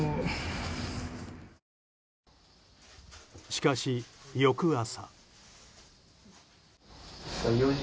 しかし、翌朝。